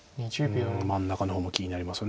真ん中の方も気になります。